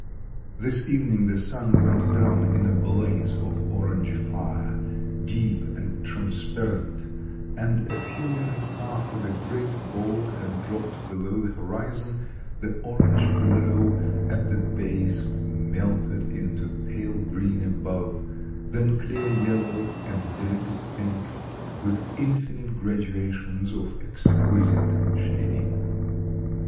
This evening the sun went down in a blaze of orange fire, deep and transparent, and a few minutes after the great ball had dropped below the horizon, the orange glow at the base melted into pale green above, then clear yellow and delicate pink, with infinite graduations of exquisite shading.